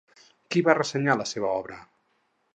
Qui va ressenyar la seva obra?